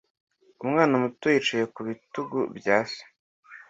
Umwana muto yicaye ku bitugu bya se